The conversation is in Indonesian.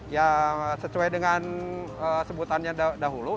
ya sesuai dengan sebutannya dahulu